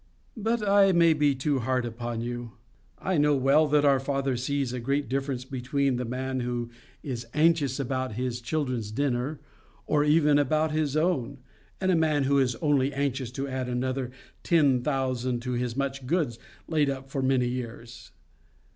But I may be too hard upon you. I know well that our Father sees a great difference between the man who is anxious about his children's dinner, or even about his own, and the man who is only anxious to add another ten thousand to his much goods laid up for many years.